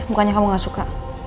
bukannya kamu gak suka